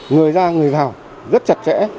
người ra người vào rất chặt chẽ